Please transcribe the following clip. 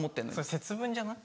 節分じゃない？